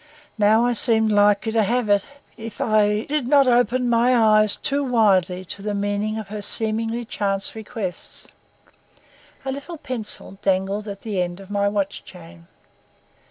Now I seemed likely to have it, if I did not open my eyes too widely to the meaning of her seemingly chance requests. A little pencil dangled at the end of my watch chain.